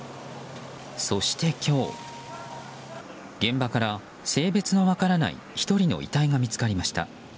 そして今日現場から性別の分からない１人の遺体が見つかりました。